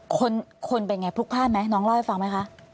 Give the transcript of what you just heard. คุณคุณเป็นอย่างไรพลุกคราวไหมน้องเล่าให้ฟังไหมคะ